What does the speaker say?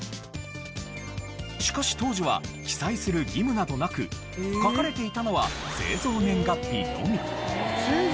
しかし当時は記載する義務などなく書かれていたのは製造年月日のみ。